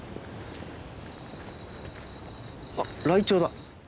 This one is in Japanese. あっライチョウだ。